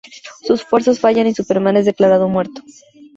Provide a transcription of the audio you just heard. Sus esfuerzos fallan y Superman es declarado muerto.